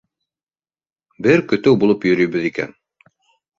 - Бер көтөү булып йөрөйбөҙ икән.